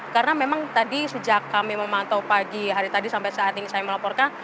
karena memang tadi sejak kami memantau pagi hari tadi sampai saat ini saya melaporkan